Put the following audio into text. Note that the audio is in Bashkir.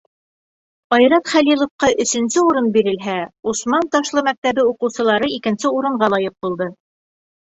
Айрат Хәлиловҡа өсөнсө урын бирелһә, Усман-Ташлы мәктәбе уҡыусылары икенсе урынға лайыҡ булды.